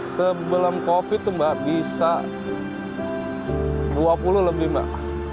sebelum covid itu mbak bisa dua puluh lebih mbak